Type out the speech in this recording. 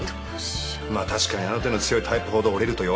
まあ確かにあの手の強いタイプほど折れると弱い。